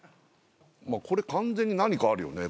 これ完全に何かあるよね